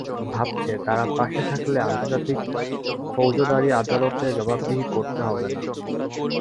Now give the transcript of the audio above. ভাবছে, তারা পাশে থাকলে আন্তর্জাতিক ফৌজদারি আদালতে জবাবদিহি করতে হবে না।